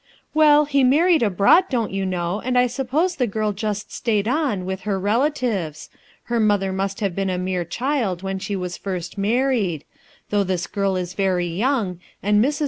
"Well, he married abroad, don't you know and I suppose the girl just stayed on, with her relatives. Iler mother must have been a mere child when she was first married; though this girl is very young, and Mis.